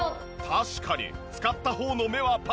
確かに使った方の目はぱっちり。